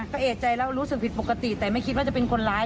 ก็เอกใจแล้วรู้สึกผิดปกติแต่ไม่คิดว่าจะเป็นคนร้าย